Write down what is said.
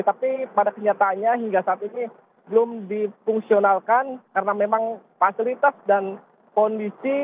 tapi pada kenyataannya hingga saat ini belum difungsionalkan karena memang fasilitas dan kondisi